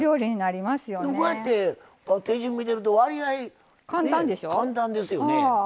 こうやって、手順、見てるとわりあい、簡単ですよね。